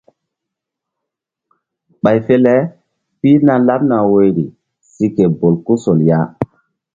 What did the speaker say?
Ɓay fe le pihna laɓ woyri si ke bolkusol ya.